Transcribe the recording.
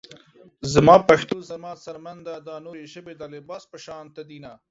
زما پښتو زما څرمن ده دا نورې ژبې د لباس پشانته دينه